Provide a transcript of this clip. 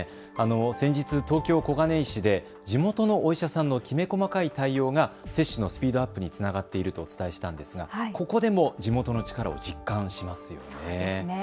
先日、東京小金井市で地元のお医者さんのきめ細かい対応が接種のスピードアップにつながっているとお伝えしたんですがここでも地元の力を実感しますよね。